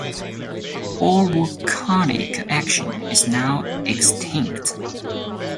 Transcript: All volcanic action is now extinct.